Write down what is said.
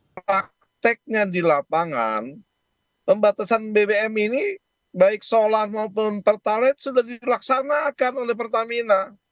prakteknya di lapangan pembatasan bbm ini baik solar maupun pertalite sudah dilaksanakan oleh pertamina